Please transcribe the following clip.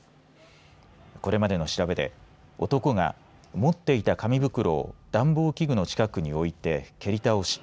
これまでの調べで男が持っていた紙袋を暖房器具の近くに置いて蹴り倒し